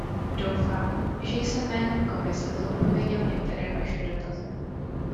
Doufám, že jsem jménem Komise zodpověděl některé Vaše dotazy.